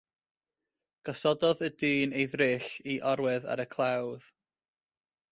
Gosododd y dyn ei ddryll i orwedd ar y clawdd.